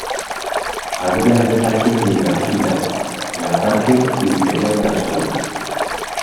Había dos tanques de hidracina en la parte inferior de la sonda.